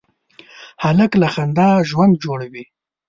هلک له خندا ژوند جوړوي.